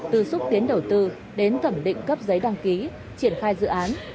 từ xúc tiến đầu tư đến thẩm định cấp giấy đăng ký triển khai dự án